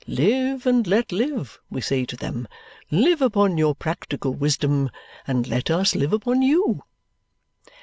Live and let live, we say to them. Live upon your practical wisdom, and let us live upon you!"